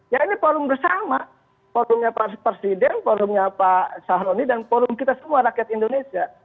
ya ini forum bersama forumnya presiden forumnya pak sahroni dan forum kita semua rakyat indonesia